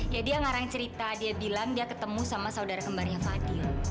ya dia ngarang cerita dia bilang dia ketemu sama saudara kembarnya fadil